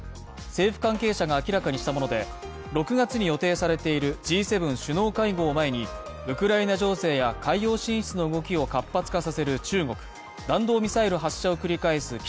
政府関係者が明らかにしたもので、６月に予定されているＧ７首脳会合を前に、ウクライナ情勢や海洋進出の動きを活発化させる中国、弾道ミサイル発射を繰り返す